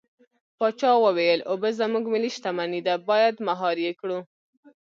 پاچا وويل: اوبه زموږ ملي شتمني ده بايد مهار يې کړو.